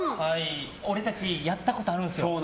俺たち、やったことあるんです。